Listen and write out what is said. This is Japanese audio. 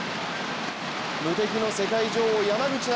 無敵の世界女王・山口茜